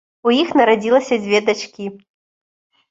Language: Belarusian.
У іх нарадзілася дзве дачкі.